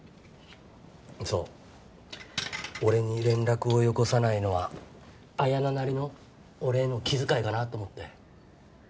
そう俺に連絡をよこさないのはあやななりの俺への気遣いかなって思って。